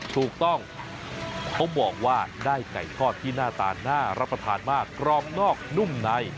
ถูกต้องเขาบอกว่าได้ไก่ทอดที่หน้าตาน่ารับประทานมากกรอบนอกนุ่มใน